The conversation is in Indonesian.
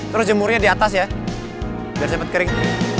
terus jemurnya di atas ya biar cepat kering